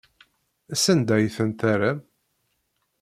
Sanda ay tent-terram?